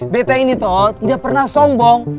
beten ini tuh tidak pernah sombong